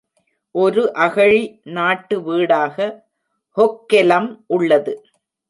ஒரு அகழி நாட்டு வீடாக ஹொக்கெலம் உள்ளது.